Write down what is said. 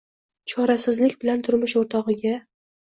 Chorasizlik bilan turmush o`rtog`iga